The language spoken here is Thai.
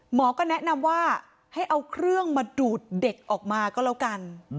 หมอก็แนะนำว่าให้เอาเครื่องมาดูดเด็กออกมาก็แล้วกัน